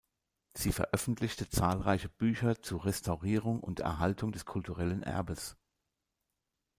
Sie veröffentlichte zahlreiche Bücher zur Restaurierung und Erhaltung des kulturellen Erbes.